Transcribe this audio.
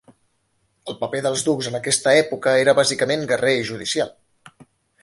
El paper dels ducs en aquesta època era bàsicament guerrer i judicial.